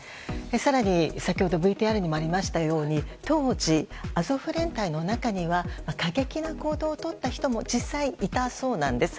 更に、先ほどＶＴＲにもありましたように当時、アゾフ連隊の中には過激な行動をとった人も実際にいたそうなんです。